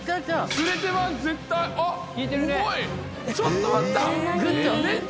ちょっと待った！